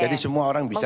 jadi semua orang bisa